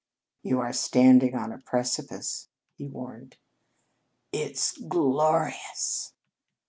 "You are standing on a precipice," he warned. "It's glorious!"